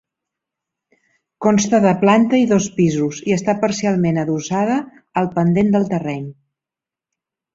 Consta de planta i dos pisos i està parcialment adossada al pendent del terreny.